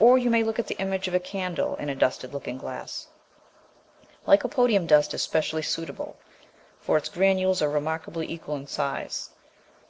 Or you may look at the image of a candle in a dusted looking glass. Lycopodium dust is specially suitable, for its granules are remarkably equal in size.